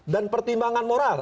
dan pertimbangan moral